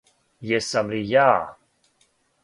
Јесам ли ја?